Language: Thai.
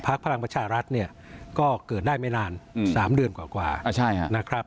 พลังประชารัฐเนี่ยก็เกิดได้ไม่นาน๓เดือนกว่านะครับ